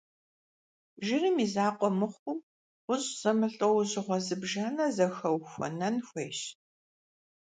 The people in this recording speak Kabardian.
Жырым и закъуэ мыхъуу, гъущӏ зэмылӏэужьыгъуэ зыбжанэ зэхэухуэнэн хуейщ.